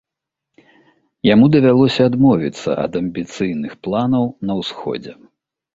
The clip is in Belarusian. Яму давялося адмовіцца ад амбіцыйных планаў на ўсходзе.